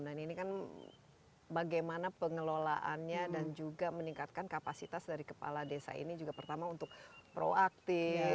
dan ini kan bagaimana pengelolaannya dan juga meningkatkan kapasitas dari kepala desa ini juga pertama untuk proaktif